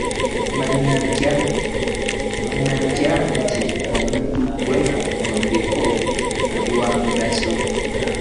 Mmanya ntya nti omuntu gwe ndiko alimu amugaso?